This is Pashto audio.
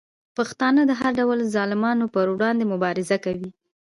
پښتانه د هر ډول ظالمانو په وړاندې مبارزه کوي.